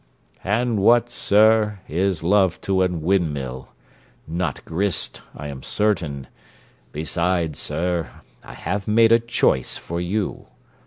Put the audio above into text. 'And what, sir, is love to a windmill? Not grist, I am certain: besides, sir, I have made a choice for you.